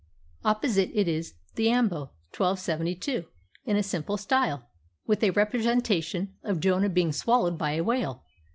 _" Opposite it is the ambo (1272), in a simple style, with a representation of Jonah being swallowed by a whale.